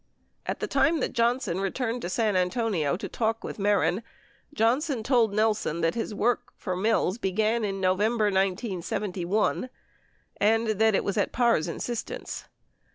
39 At the time that Johnson returned to San Antonio to talk with Mehren, Johnson told Nelson that his work for Mills began in Novem ber 1971, and that it was at Parr's insistence.